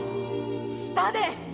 「下で。